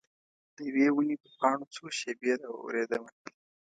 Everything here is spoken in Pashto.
د یوي ونې پر پاڼو څو شیبې را اوریدمه